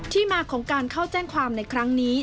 มาของการเข้าแจ้งความในครั้งนี้